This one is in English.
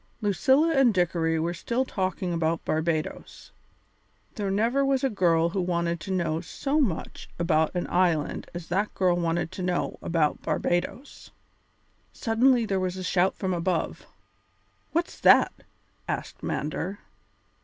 Lucilla and Dickory were still talking about Barbadoes. There never was a girl who wanted to know so much about an island as that girl wanted to know about Barbadoes. Suddenly there was a shout from above. "What's that?" asked Mander.